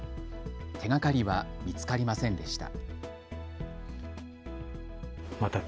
手がかりは見つかりませんでした。